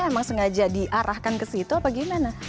emang sengaja diarahkan ke situ apa gimana